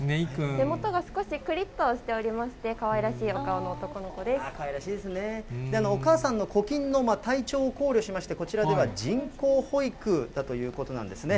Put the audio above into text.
目元が少しくりっとしておりまして、かわいらしいお顔の男の子でかわいらしいですね、お母さんのコキンの体調を考慮しまして、こちらでは人工哺育だということなんですね。